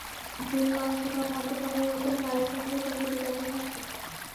তিনি মাংস খাওয়া, মদ্যপান এবং নারীসঙ্গ থেকে বিরত থাকবেন।